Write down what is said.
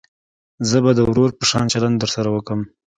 زه به د ورور په شان چلند درسره وکم.